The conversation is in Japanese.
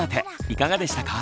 いかがでしたか？